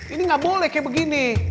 ini nggak boleh kayak begini